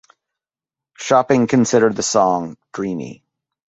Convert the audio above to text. Shopping considered the song "dreamy".